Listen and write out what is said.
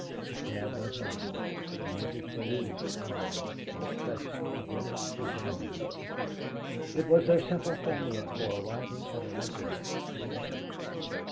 The cab went on, and Mrs. Bellew's arm was pressed against his own. It was their simple formula for arriving at a restaurant together.